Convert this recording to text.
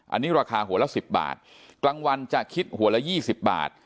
อันนี้ราคาหัวละ๑๐บาทกลางวันจะคิดหัวละ๒๐บาท